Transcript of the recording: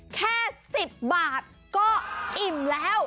แค่๑๐บาทก็อิ่มแล้ว